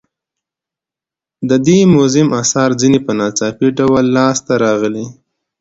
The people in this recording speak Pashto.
د دې موزیم اثار ځینې په ناڅاپي ډول لاس ته راغلي.